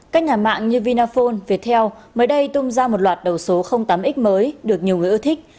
các nhà mạng như vinaphone viettel mới đây tung ra một loạt đầu số tám x mới được nhiều người ưa thích